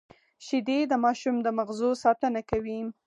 شیدې د ماشوم د مغزو ساتنه کوي